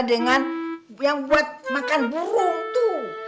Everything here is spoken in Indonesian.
dengan yang buat makan burung tuh